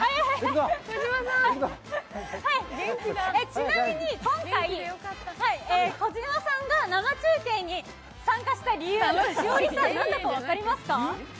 ちなみに、今回児嶋さんが生中継に参加した理由、栞里さん、何だか分かりますか？